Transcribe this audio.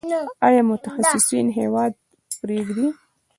آیا متخصصین هیواد پریږدي؟